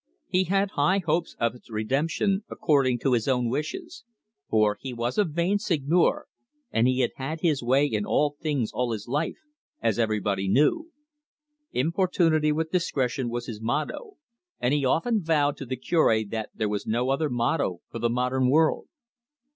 He had high hopes of its redemption according to his own wishes; for he was a vain Seigneur, and he had had his way in all things all his life, as everybody knew. Importunity with discretion was his motto, and he often vowed to the Cure that there was no other motto for the modern world.